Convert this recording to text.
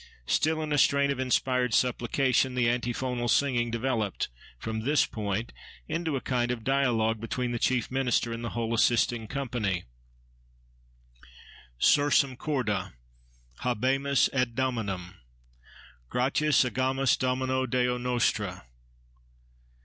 Still in a strain of inspired supplication, the antiphonal singing developed, from this point, into a kind of dialogue between the chief minister and the whole assisting company— SURSUM CORDA! HABEMUS AD DOMINUM. GRATIAS AGAMUS DOMINO DEO NOSTRO!